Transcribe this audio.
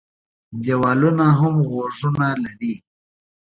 دېوالونه هم غوږونه لري.